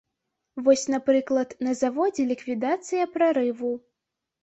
Вось, напрыклад, на заводзе ліквідацыя прарыву.